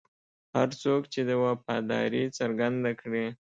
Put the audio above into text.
هر څوک چې وفاداري څرګنده کړي.